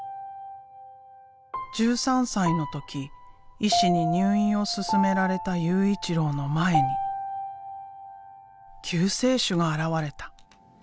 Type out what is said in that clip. １３歳の時医師に入院を勧められた悠一郎の前に救世主が現れた。